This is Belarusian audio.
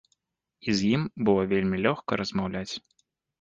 І з ім было вельмі лёгка размаўляць.